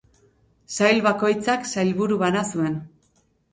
Sail bakoitzak sailburu bana zuen.